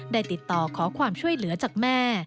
ได้ติดต่อขอความช่วยเหลือจากแม่